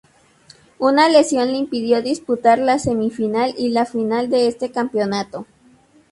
Una lesión le impidió disputar la semi-final y la final de este campeonato.